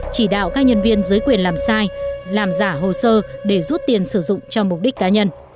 chỉ đạo các nhân viên dưới quyền làm sai làm giả hồ sơ để rút tiền sử dụng cho mục đích cá nhân